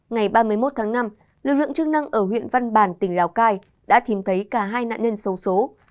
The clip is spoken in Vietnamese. ngày ba mươi một tháng năm lực lượng chức năng ở huyện văn bàn tỉnh lào cai đã tìm thấy cả hai nạn nhân sâu xố